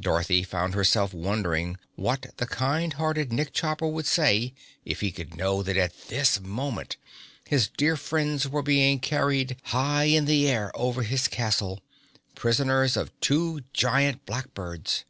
Dorothy found herself wondering what the kind hearted Nick Chopper would say if he could know that at this moment his dear friends were being carried high in the air over his castle, prisoners of two giant black birds!